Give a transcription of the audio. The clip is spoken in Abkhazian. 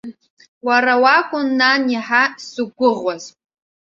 Уара уакәын, нан, иаҳа сзықәгәыӷуаз.